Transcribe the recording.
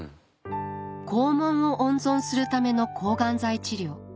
肛門を温存するための抗がん剤治療。